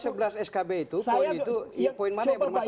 enggak dari sebelas skb itu poin mana yang bermasalah